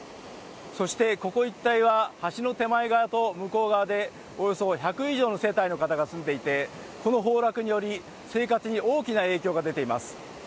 そして、ここ一帯は橋の手前側と向こう側でおよそ１００以上の世帯の方が住んでいて、この崩落により生活に大きな影響が出ています。